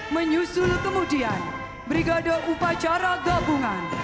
menyusul kemudian brigade upacara gabungan